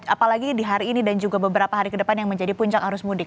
apalagi di hari ini dan juga beberapa hari ke depan yang menjadi puncak arus mudik